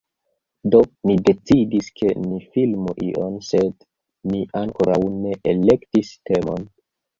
Do, ni decidis ke ni filmu ion sed ni ankoraŭ ne elektis temon